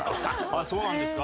ああそうなんですか？